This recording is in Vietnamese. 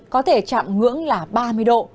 có thể chạm ngưỡng là ba mươi độ